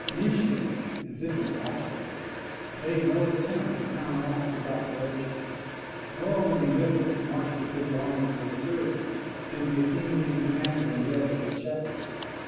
Nicias, as if infatuated, made no attempt to counteract his operations; nor, when Gylippus marched his little army towards Syracuse, did the Athenian commander endeavour to check him.